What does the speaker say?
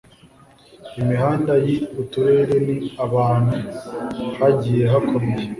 imihanda y Uturere n ahantu hagiye hakomeye